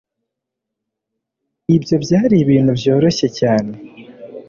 Ibyo byari ibintu byoroshye cyane.